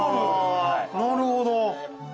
なるほど。